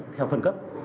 theo phần cấp